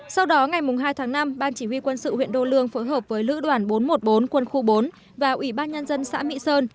sau đó ngày hai tháng năm ban chỉ huy quân sự huyện đô lương phối hợp với lữ đoàn bốn trăm một mươi bốn quân khu bốn và ủy ban nhân dân xã mỹ sơn